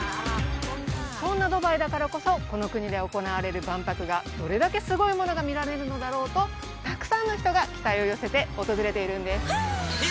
そんなドバイだからこそこの国で行われる万博がどれだけすごいものが見られるのだろうとたくさんの人が期待を寄せて訪れているんです